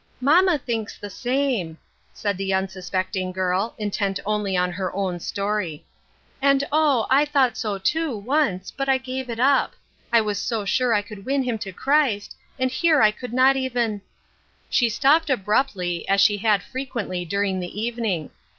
" Mamma thinks the same," said the unsuspect ing girl, intent only on her own story. " And, oh ! I thought so, too, once, but I gave it up ; I was so sure I could win him to Christ, and here I could not even "— She stopped abruptly, as she had frequently during the evening.